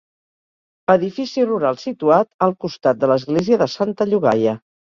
Edifici rural situat al costat de l'església de Santa Llogaia.